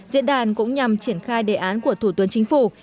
diễn đàn cũng nhằm triển khai đề án của thủ tướng chính phủ